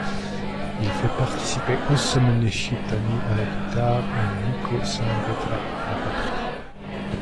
Il fait participer Osamu Nishitani à la guitare, et Nico Saavedra à la batterie.